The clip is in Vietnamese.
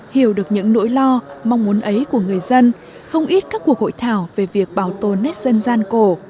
hiểu được những nỗi lo mong muốn ấy của người dân không ít các cuộc hội thảo về việc bảo tồn nét dân gian cổ